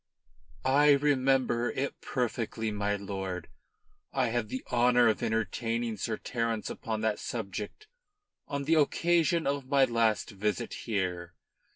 "I remember it perfectly, my lord. I had the honour of entertaining Sir Terence upon that subject on the occasion of my last visit here."